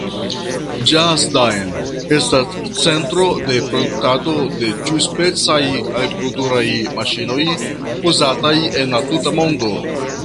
Ĝasdan estas centro de produktado de ĉiuspecaj agrikulturaj maŝinoj uzataj en la tuta lando.